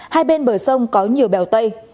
hai bên bờ sông có nhiều bèo tây